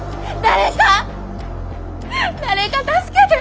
誰か助けて！